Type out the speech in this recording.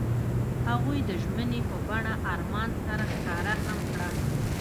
هغوی د ژمنې په بڼه آرمان سره ښکاره هم کړه.